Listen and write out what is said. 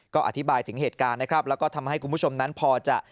ก็อธิบายถึงเหตุการณ์นะครับแล้วก็ทำให้คุณผู้ชมนั้นพอจะ